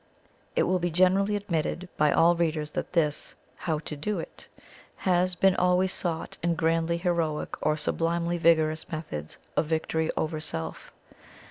It will be generally admitted by all readers that this How to do it has been always sought in grandly heroic or sublimely vigorous methods of victory over self.